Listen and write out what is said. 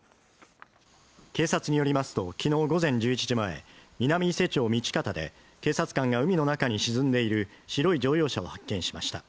警察によりますときのう午前１１時前南伊勢町道方で警察官が海の中に沈んでいる白い乗用車を発見しました